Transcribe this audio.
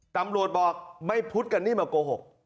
ตำรวจบอกไม่พูดกันนี่มาโกหก